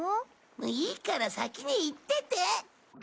いいから先に行ってて。